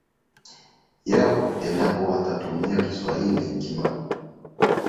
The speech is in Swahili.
yao endapo watatumia Kiswahili kikamilifu Kwanza ilikuwa